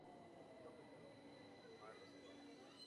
El show fue creado por Marc Brown.